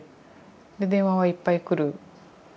で電話はいっぱい来る。